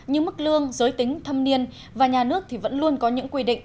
như mức lương giới tính thâm niên và nhà nước thì vẫn luôn có những quy định